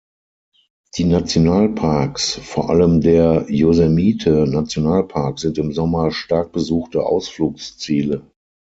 Die Nationalparks, vor allem der Yosemite-Nationalpark, sind im Sommer stark besuchte Ausflugsziele.